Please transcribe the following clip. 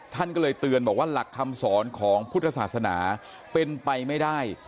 ท่านก็เลยเตือนบอกว่าหลักคำสอนของพุทธศาสนาเป็นไปไม่ได้